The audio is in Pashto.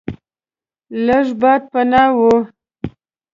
لږ باد پناه و.